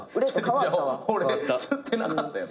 俺吸ってなかったやん